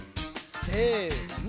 せの！